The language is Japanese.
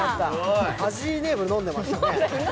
ファジーネーブル飲んでましたもんね。